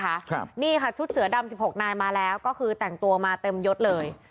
ครับนี่ค่ะชุดเสือดำสิบหกนายมาแล้วก็คือแต่งตัวมาเต็มยดเลย